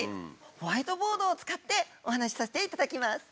ホワイトボードを使ってお話しさせていただきます。